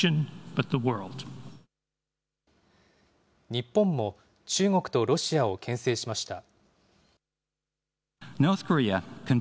日本も中国とロシアをけん制しました。